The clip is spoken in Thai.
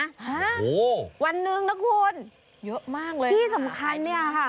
ห้าวันหนึ่งน่ะคุณโอ้โฮพี่สำคัญเนี่ยค่ะ